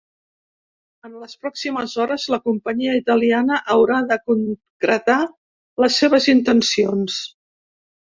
En les pròximes hores, la companyia italiana haurà de concretar les seves intencions.